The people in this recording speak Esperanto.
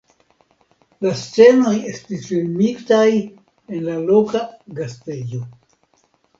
La scenoj estis filmitaj en la loka gastejo.